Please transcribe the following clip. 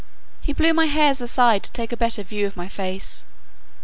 He blew my hairs aside to take a better view of my face.